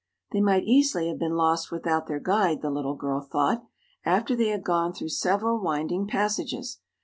They might easily have been lost without their guide, the little girl thought, after they had gone through several winding passages.